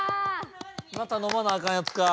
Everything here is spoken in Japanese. またのまなあかんやつか。